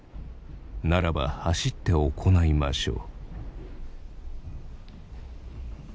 「ならば走って行いましょう」。